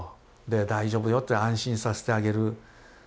で「大丈夫よ」と安心させてあげる。